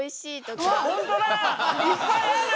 いっぱいある！